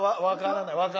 分からない。